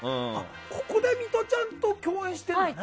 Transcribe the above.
ここでミトちゃんと共演しているんだね。